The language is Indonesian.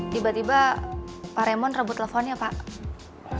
tiba tiba pak remon rebut teleponnya pak